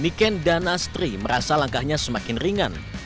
niken dan astri merasa langkahnya semakin ringan